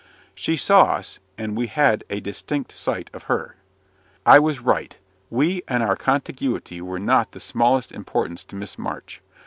She saw us, and we had a distinct sight of her. I was right: we and our contiguity were not of the smallest importance to Miss March.